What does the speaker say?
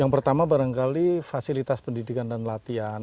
yang pertama barangkali fasilitas pendidikan dan latihan